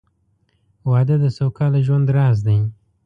• واده د سوکاله ژوند راز دی.